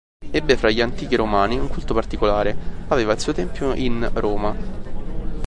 Ebbe fra gli antichi romani un culto particolare: aveva il suo tempio in Roma.